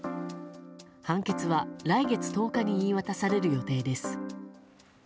判決は来月１０日に言い渡される予定です。